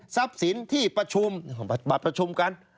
ทรัพย์สินที่ประชุม